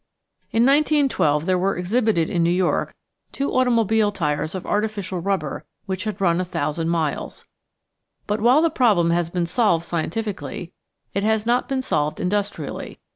In 1912 there were exhibited in New York two automobile tyres of artificial rubber which had run a thousand miles. But while the problem has been solved scientificially, it has not been solved industrially.